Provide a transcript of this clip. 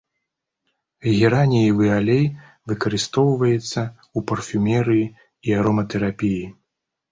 Гераніевы алей выкарыстоўваецца ў парфумерыі і ароматэрапіі.